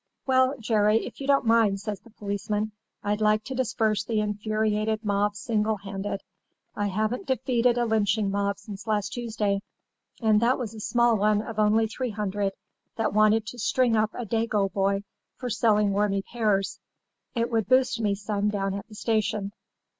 "'Well, Jerry, if you don't mind,' says the policeman, 'I'd like to disperse the infuriated mob singlehanded. I haven't defeated a lynching mob since last Tuesday; and that was a small one of only 300, that wanted to string up a Dago boy for selling wormy pears. It would boost me some down at the station.